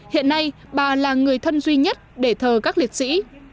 hiện nay bà là người thân duy nhất để thờ các liệt sĩ